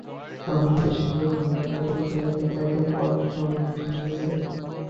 তখন নদীর সঙ্গে জোলার যোগ হয়ে যাতায়াতের পথ সহজ হয়ে যায়।